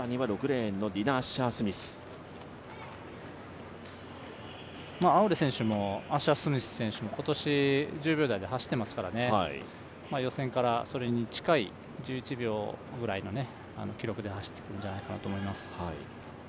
アウレ選手もアッシャー・スミス選手も今年１０秒台で走ってますからね予選からそれに近い１１秒ぐらいの記録で走っていくんじゃないかなと思います。